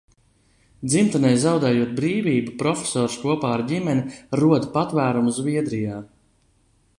Dzimtenei zaudējot brīvību, profesors kopā ar ģimeni rod patvērumu Zviedrijā.